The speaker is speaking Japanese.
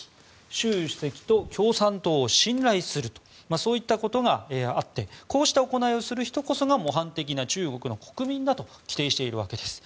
習主席と共産党を信頼するとそういったことがあってこうした行いをする人こそが模範的な中国の国民だと規定しているわけです。